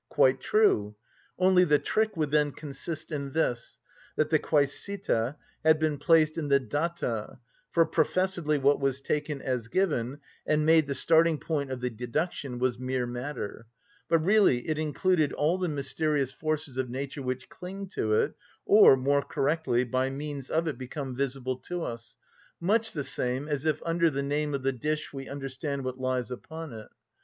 Quite true: only the trick would then consist in this, that the Quæsita had been placed in the Data, for professedly what was taken as given, and made the starting‐point of the deduction, was mere matter, but really it included all the mysterious forces of nature which cling to it, or more correctly, by means of it become visible to us, much the same as if under the name of the dish we understand what lies upon it.